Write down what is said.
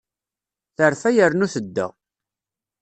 Terfa yernu tedda.